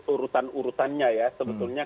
urutan urutannya ya sebetulnya